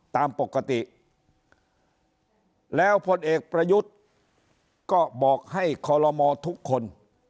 ตามปกติแล้วพลเอกประยุทธ์ก็บอกให้คอลโลมอทุกคน